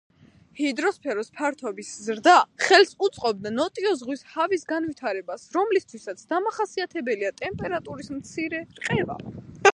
ჰიდროსფეროს ფართობის ზრდა ხელს უწყობდა ნოტიო ზღვის ჰავის განვითარებას, რომლისთვისაც დამახასიათებელია ტემპერატურის მცირე რყევა.